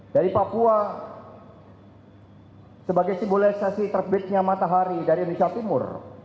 jadi papua sebagai simbolisasi terbitnya matahari dari indonesia timur